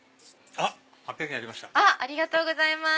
ありがとうございます。